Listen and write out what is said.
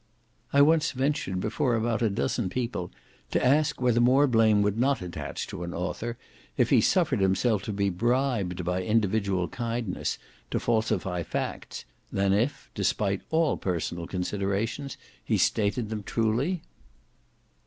I once ventured before about a dozen people to ask whether more blame would not attach to an author, if he suffered himself to be bribed by individual kindness to falsify facts, than if, despite all personal considerations, he stated them truly?